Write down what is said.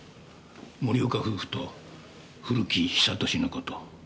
森岡夫婦と古木久俊の事。